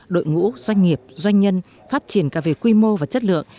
đội ngũ doanh nghiệp doanh nhân phát triển cả về quy mô và chất lượng